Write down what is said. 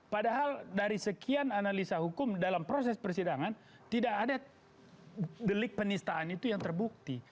padahal dari sekian analisa hukum dalam proses persidangan tidak ada delik penistaan itu yang terbukti